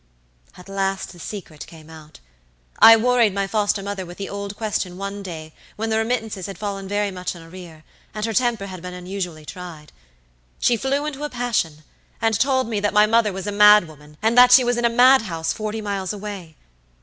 "At last the secret came out. I worried my foster mother with the old question one day when the remittances had fallen very much in arrear, and her temper had been unusually tried. She flew into a passion, and told me that my mother was a mad woman, and that she was in a madhouse forty miles away.